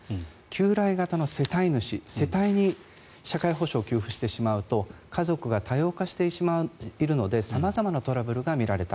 旧来型の世帯主、世帯に社会保障を給付してしまうと家族が多様化しているので様々なトラブルが見られた。